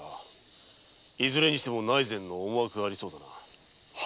いずれにせよ内膳の思惑がありそうだな。